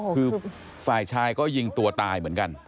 คือฝ่ายชายก็ยิงตัวตายเหมือนกัน